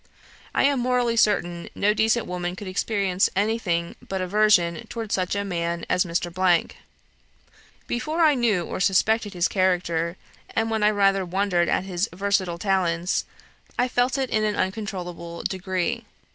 I am morally certain no decent woman could experience anything but aversion towards such a man as Mr. . Before I knew, or suspected his character, and when I rather wondered at his versatile talents, I felt it in an uncontrollable degree.